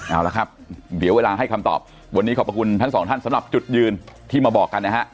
เอาละครับเดี๋ยวเวลาให้คำตอบวันนี้ขอบพระคุณทั้งสองท่านสำหรับจุดยืนที่มาบอกกันนะฮะ